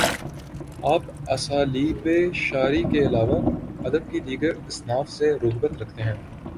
آپ اسالیبِ شعری کے علاوہ ادب کی دیگر اصناف سے رغبت رکھتے ہیں